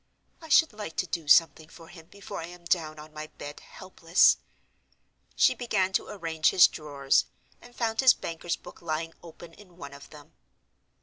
"I should like to do something for him before I am down on my bed, helpless." She began to arrange his drawers, and found his banker's book lying open in one of them.